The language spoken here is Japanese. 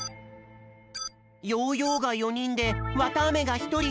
ヨーヨーが４にんでわたあめがひとり。